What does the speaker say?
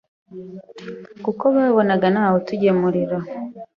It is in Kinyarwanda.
kuko babonaga nta wutugemurira